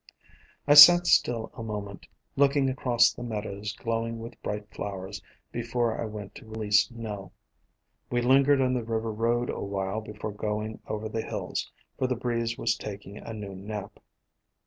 I sat still a moment, looking across the meadows glowing with bright flowers, before I went to re lease Nell. We lingered on the river road awhile before going over the hills, for the breeze was taking a noon nap.